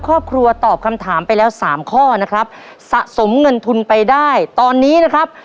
ครอบครัวตอบคำถามไปแล้วสามข้อนะครับสะสมเงินทุนไปได้ตอนนี้นะครับ